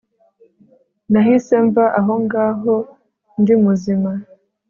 nahise mva aho ngaho ndi muzima